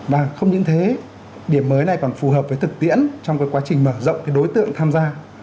và không những thế điểm mới này còn phù hợp với thực tiễn trong cái quá trình mở rộng cái đối tượng tham gia